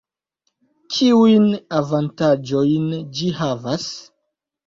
Kiujn avantaĝojn ĝi havas?